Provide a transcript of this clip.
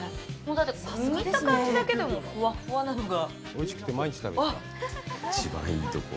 だって見た感じだけでもふわふわなのが。